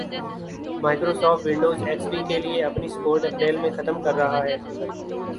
Microsoft, Windows X P کے لئے اپنی سپورٹ اپریل میں ختم کررہا ہے